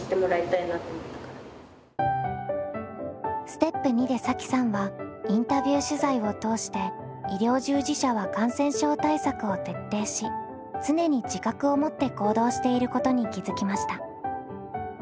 ステップ２でさきさんはインタビュー取材を通して医療従事者は感染症対策を徹底し常に自覚を持って行動していることに気付きました。